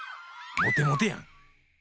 モテモテやん！